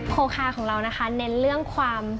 โคคาของเรานะคะเน้นเรื่องความ